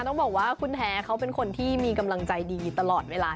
ต้องบอกว่าคุณแท้เขาเป็นคนที่มีกำลังใจดีตลอดเวลา